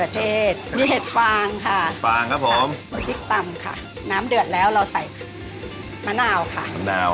ที่เป็นเมนูเดชของร้าน